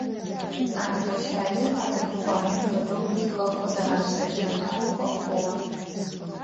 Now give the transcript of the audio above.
Адыгэ щаир адыгэ къуаем фэдэу тихэку къызэрашӏэжьрэ тамыгъэу хъугъэ.